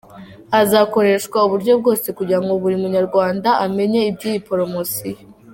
Hazakoreshwa uburyo bwose kugira ngo buri munyarwanda amenye iby'iyi Promosiyo.